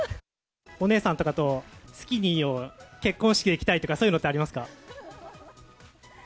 お姉さんとかと、スキニーを結婚式で着たいとか、そういうのってありますか。